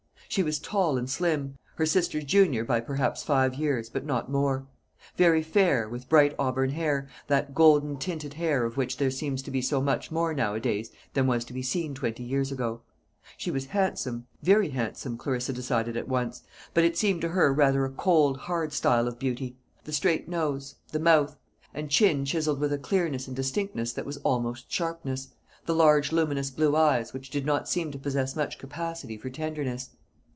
She was tall and slim, her sister's junior by perhaps five years, but not more; very fair, with bright auburn hair that golden tinted hair, of which there seems to be so much more nowadays than was to be seen twenty years ago. She was handsome very handsome Clarissa decided at once; but it seemed to her rather a cold, hard style of beauty; the straight nose, the mouth, and chin chiselled with a clearness and distinctness that was almost sharpness; the large luminous blue eyes, which did not seem to possess much capacity for tenderness.